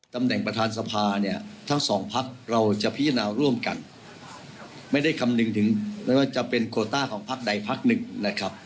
ตำแหน่งประธานสภาเนี่ยทั้งสองพักเราจะพิจารณาร่วมกันไม่ได้คำนึงถึงไม่ว่าจะเป็นโคต้าของพักใดพักหนึ่งนะครับ